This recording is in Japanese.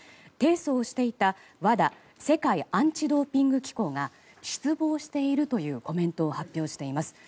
提訴をしていたＷＡＤＡ・世界アンチ・ドーピング機構が失望しているというコメントを発表しています。